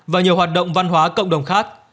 và nhiều hoạt động văn hóa cộng đồng khác